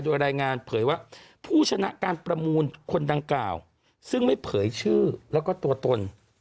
โดยรายงานเผยว่าผู้ชนะการประมูลคนดังกล่าวซึ่งไม่เผยชื่อแล้วก็ตัวตน